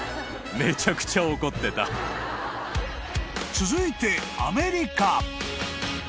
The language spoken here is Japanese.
［続いて］